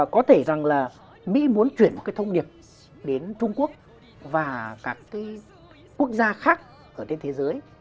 có thể rằng là mỹ muốn chuyển một cái thông điệp đến trung quốc và các cái quốc gia khác ở trên thế giới